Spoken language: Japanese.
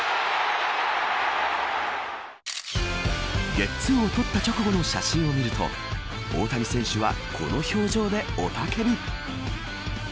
ゲッツ―を取った直後の写真を見ると大谷選手はこの表情で雄たけび。